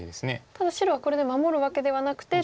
ただ白はこれで守るわけではなくて中央を。